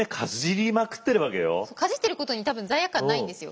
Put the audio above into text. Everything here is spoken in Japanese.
かじってることに多分罪悪感ないんですよ。